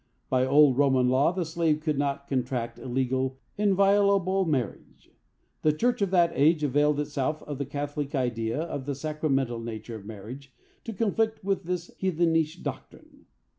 By old Roman law, the slave could not contract a legal, inviolable marriage. The church of that age availed itself of the catholic idea of the sacramental nature of marriage to conflict with this heathenish doctrine.